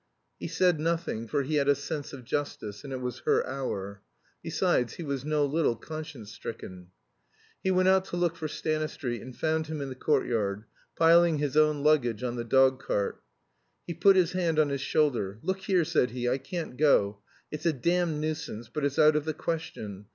He said nothing, for he had a sense of justice, and it was her hour. Besides, he was no little conscience stricken. He went out to look for Stanistreet, and found him in the courtyard, piling his own luggage on the dog cart. He put his hand on his shoulder. "Look here," said he, "I can't go. It's a damned nuisance, but it's out of the question.